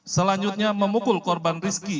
selanjutnya memukul korban rizki